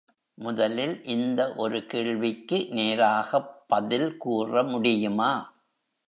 முதலில் இந்த ஒரு கேள்விக்கு நேராகப் பதில் கூற முடியுமா?